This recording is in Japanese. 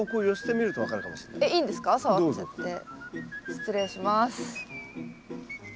失礼します。